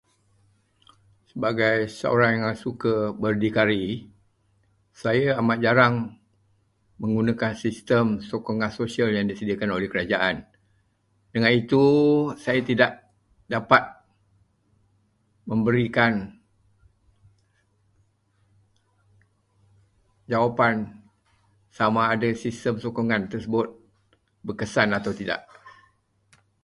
Sebagai seorang yang suka berdikari, saya amat jarang menggunakan sistem sokongan sosial yang disediakan oleh kerajaan. Dengan itu, saya tidak dapat memberikan jawapan sama ada sistem sokongan tersebut berkesan atau tidak.